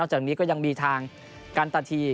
จากนี้ก็ยังมีทางกันตะที